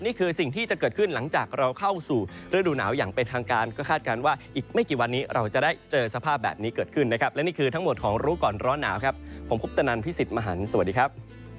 นี่คือสิ่งที่จะเกิดขึ้นหลังจากเราเข้าสู่ฤดูหนาวอย่างเป็นทางการก็คาดการณ์ว่าอีกไม่กี่วันนี้เราจะได้เจอสภาพแบบนี้เกิดขึ้นนะครับและนี่คือทั้งหมดของรู้ก่อนร้อนหนาวครับผมคุปตนันพี่สิทธิ์มหันฯสวัสดีครับ